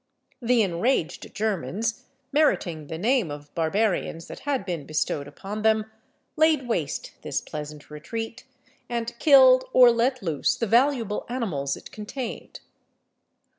The enraged Germans, meriting the name of barbarians that had been bestowed upon them, laid waste this pleasant retreat, and killed or let loose the valuable animals it contained.